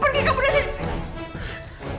pergi kamu dari sini